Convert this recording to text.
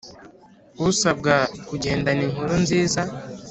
usabwa kugendana inkuru nziza